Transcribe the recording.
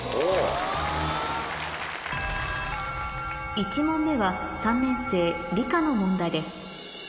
１問目は３年生理科の問題です